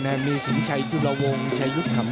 ในอีกก็มีขุนเข่าริมโค้งเลยครับเพชรบุญชูเอฟรีกรุ๊ป